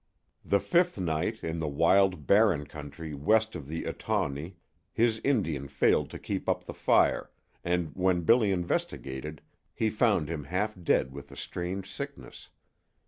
The fifth night, in the wild Barren country west of the Etawney, his Indian failed to keep up the fire, and when Billy investigated he found him half dead with a strange sickness.